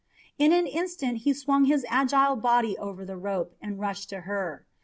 In an instant he swung his agile body over the rope and rushed to her.